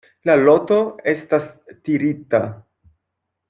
La loto estas tirita.